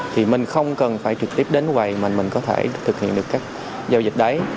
thì mình không cần phải trực tiếp đến quầy mà mình có thể thực hiện được các giao dịch đấy